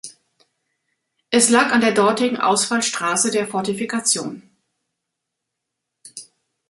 Es lag an der dortigen Ausfallstraße der Fortifikation.